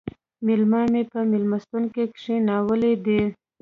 مېلما مې په مېلمستون کې کښېناولی دی